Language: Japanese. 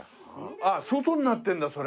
あっ外になってるんだそれ。